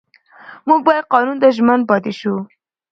موږ باید قانون ته ژمن پاتې شو